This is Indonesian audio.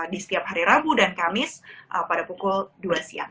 di setiap hari rabu dan kamis pada pukul dua siang